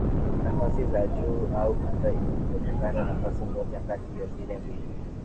nafasi za juu au hata ikiwezekana nafasi moja kati ya zile mbili